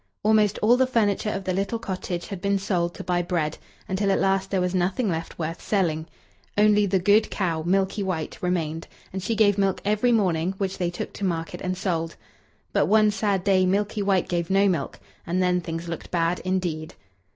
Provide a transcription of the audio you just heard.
Almost all the furniture of the little cottage had been sold to buy bread, until at last there was nothing left worth selling. Only the good cow, Milky White, remained, and she gave milk every morning, which they took to market and sold. But one sad day Milky White gave no milk, and then things looked bad indeed.